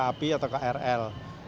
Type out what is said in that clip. tapi juga untuk kereta api atau krl